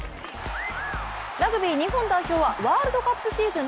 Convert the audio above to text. ラグビー日本代表はールドカップシーズン